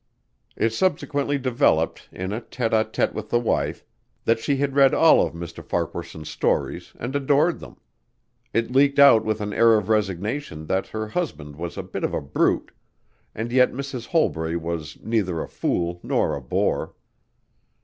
It subsequently developed, in a tête à tête with the wife, that she had read all of Mr. Farquaharson's stories and adored them. It leaked out with an air of resignation that her husband was a bit of a brute and yet Mrs. Holbury was neither a fool nor a bore.